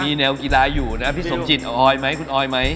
มีแนวกีฬาอยู่นะพี่สมจิตออยไหมคุณออยไหม